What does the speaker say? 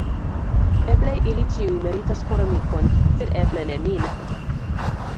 Eble ili ĉiuj meritas koramikon, sed eble ne min.